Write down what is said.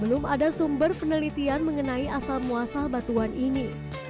belum ada sumber penelitian mengenai asal muasal batuan ini